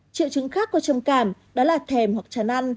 triệu chứng khác của trầm cảm đó là thèm hoặc chán ăn